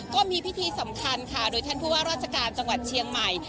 ก็มีพิธีสำคัญค่ะโดยท่านผู้ว่าราชการจังหวัดเชียงใหม่